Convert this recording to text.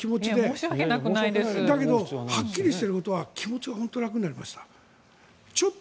だけどはっきりしてることは気持ちは楽になりました。